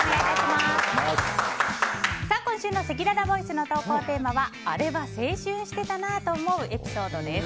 今週のせきららボイスの投稿テーマはあれは青春してたなぁと思うエピソードです。